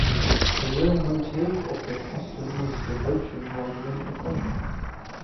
The real motive of the custom was devotion rather than economy.